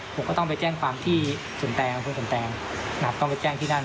ผมก็ต้องไปแจ้งความที่สวนแตงผมสวนแตงต้องไปแจ้งที่นั่น